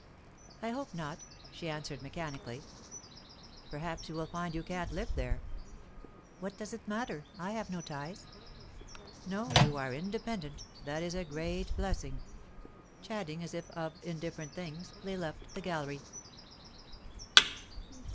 "I hope not," she answered mechanically. "Perhaps you will find you can't live there?" "What does it matter? I have no ties." "No, you are independent; that is a great blessing." Chatting as if of indifferent things, they left the gallery.